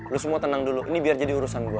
lu semua tenang dulu ini biar jadi urusan gue